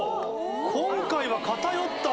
今回は偏った。